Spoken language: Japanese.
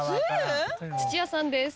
土屋さんです。